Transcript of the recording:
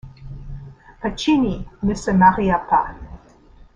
Pacini ne se maria pas.